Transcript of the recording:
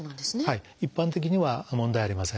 一般的には問題ありません。